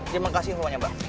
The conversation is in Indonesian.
terima kasih rumahnya mbak